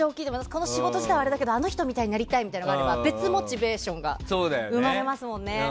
この仕事自体はあれだけどあの人みたいになりたいってなれば別モチベーションが生まれますもんね。